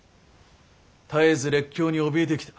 絶えず列強におびえてきた。